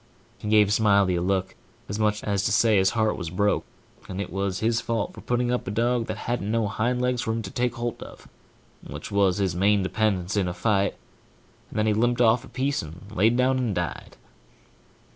He give Smiley a look, as much as to say his heart was broke, and it was his fault for putting up a dog that hadn't no hind legs for him to take holt of, which was his main dependence in a fight, and then he limped off a piece and laid down and died.